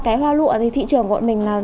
cái hoa lụa thì thị trường của mình là